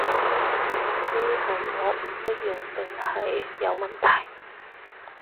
唔知係我唔識用定係有問題